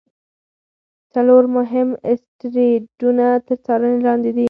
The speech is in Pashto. څلور مهم اسټروېډونه تر څارنې لاندې دي.